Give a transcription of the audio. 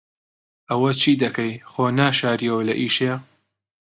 ئەوە چ دەکەی؟ خۆ نەشارییەوە لە ئیشێ.